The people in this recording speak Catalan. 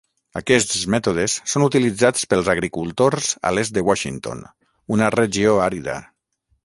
Aquests mètodes són utilitzats pels agricultors a l'est de Washington, una regió àrida.